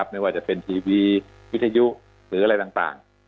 ไม่ว่าจะเป็นทีวีวิทยุหรืออะไรต่าง